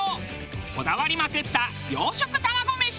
こだわりまくった洋食卵メシ。